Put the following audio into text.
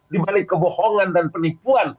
di balik kebohongan dan penipuan